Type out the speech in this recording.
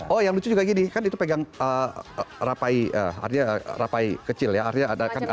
oh yang lucu juga gini kan itu pegang rapai artinya rapai kecil ya